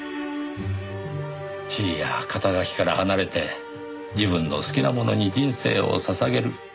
地位や肩書から離れて自分の好きなものに人生を捧げる。